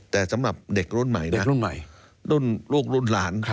แต่สำหรับเด็กรุ่นใหม่ลูกรุ่นหลาน